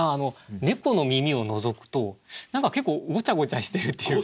猫の耳をのぞくと何か結構ごちゃごちゃしてるっていうか。